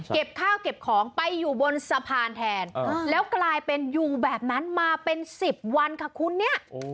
ข้าวเก็บของไปอยู่บนสะพานแทนแล้วกลายเป็นอยู่แบบนั้นมาเป็น๑๐วันค่ะคุณเนี่ย